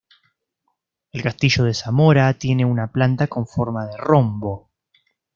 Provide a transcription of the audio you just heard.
El castillo de Zamora tiene una planta con forma de rombo.